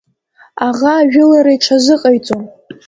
Аӷа ажәылара иҽазыҟаиҵон.